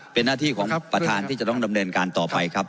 เป็นหน้าที่ของประธานที่จะต้องดำเนินการต่อไปครับ